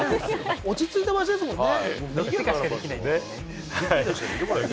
落ち着いた場所ですもんね。